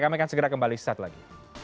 kami akan segera kembali saat lagi